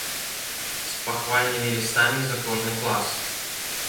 З пахвальнымі лістамі за кожны клас.